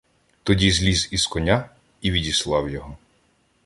Тоді зліз із коня й відіслав його.